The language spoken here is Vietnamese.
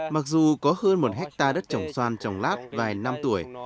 mặc dù có hơn một hectare đất trồng xoan trồng lát vài năm tuổi